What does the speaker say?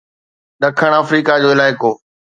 ڏکڻ آفريڪا جو علائقو